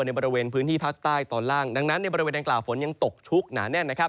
ในฐานกล่าวฝนยังตกชุกหนาแน่น